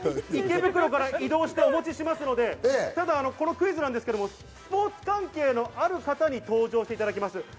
池袋から移動してお持ちしますので、このクイズなんですけど、スポーツ関係のある方に登場していただきます。